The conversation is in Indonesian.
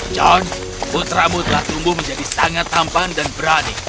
john putramu telah tumbuh menjadi sangat tampan dan berani